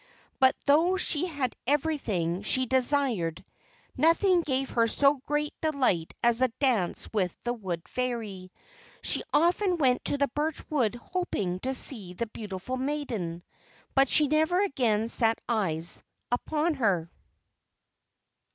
But though she had everything she desired, nothing gave her so great delight as the dance with the Wood Fairy. She often went to the birch wood hoping to see the beautiful maiden, but she never again set eyes upon her.